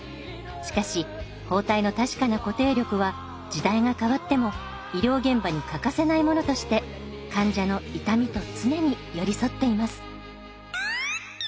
しかし包帯の確かな固定力は時代が変わっても医療現場に欠かせないものとして患者の痛みと常に寄り添っています。